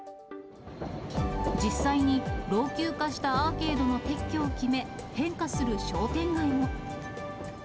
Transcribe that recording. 実際に、老朽化したアーケードの撤去を決め、変化する商店街も。